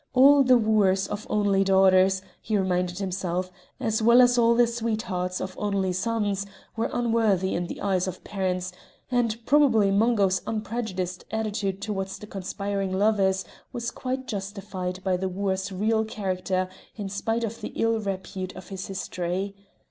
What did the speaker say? All the wooers of only daughters, he reminded himself, as well as all the sweethearts of only sons, were unworthy in the eyes of parents, and probably Mungo's unprejudiced attitude towards the conspiring lovers was quite justified by the wooer's real character in spite of the ill repute of his history.